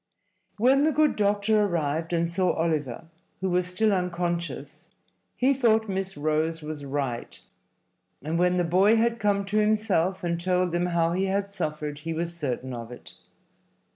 When the good doctor arrived and saw Oliver, who was still unconscious, he thought Miss Rose was right, and when the boy had come to himself and told them how he had suffered, he was certain of it.